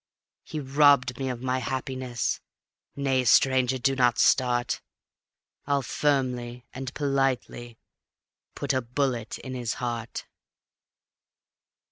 He robbed me of my happiness nay, stranger, do not start; I'll firmly and politely put a bullet in his heart."